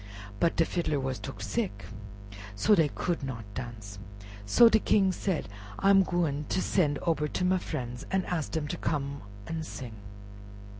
But de fiddler was took sick, so dey could not dance. So de King said, "I am gwine ter sen' ober ter my frien's an' ask dem ter come an' sing."